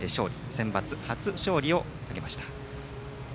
センバツ初勝利を挙げました。